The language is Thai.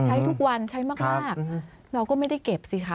ใช้ทุกวันใช้มากเราก็ไม่ได้เก็บสิคะ